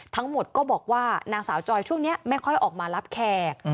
ทั้งหมดก็บอกว่านางสาวจอยช่วงนี้ไม่ค่อยออกมารับแขก